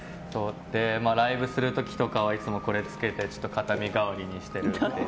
ライブする時とかはいつもこれをつけて形見代わりにしてるっていう。